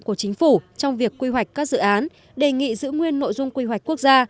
của chính phủ trong việc quy hoạch các dự án đề nghị giữ nguyên nội dung quy hoạch quốc gia